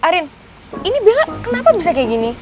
arin ini bella kenapa bisa kayak gini